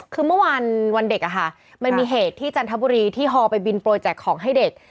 คือเมื่อวานวันเด็กมันมีเหตุที่จันทบุรีที่ฮอลไปบินโปรยแจกของให้เด็ก